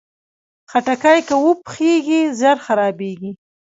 خټکی که وپوخېږي، ژر خرابېږي.